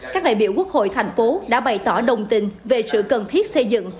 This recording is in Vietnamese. các đại biểu quốc hội thành phố đã bày tỏ đồng tình về sự cần thiết xây dựng